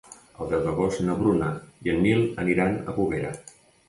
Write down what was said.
El deu d'agost na Bruna i en Nil aniran a Bovera.